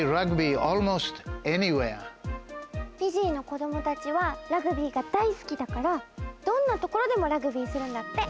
フィジーの子どもたちはラグビーが大すきだからどんなところでもラグビーするんだって。